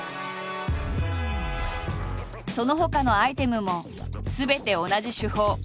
そのほかのアイテムもすべて同じ手法。